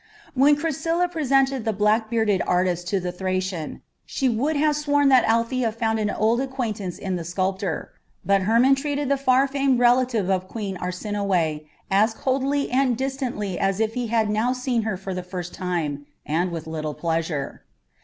When Chrysilla presented the black bearded artist to the Thracian, she would have sworn that Althea found an old acquaintance in the sculptor; but Hermon treated the far famed relative of Queen Arsinoe as coldly and distantly as if he now saw her for the first time, and with little pleasure.